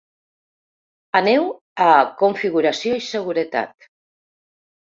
Aneu a ‘Configuració i seguretat’.